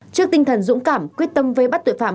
trước tinh thần dũng cảm quyết tâm vây bắt tội phạm